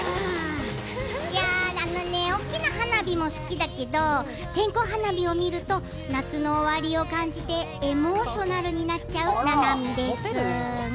大きな花火も好きだけど線香花火を見ると夏の終わりを感じてエモーショナルになっちゃうななみです。